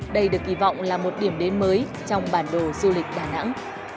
đây được kỳ vọng là một điểm đến mới trong bản đồ du lịch đà nẵng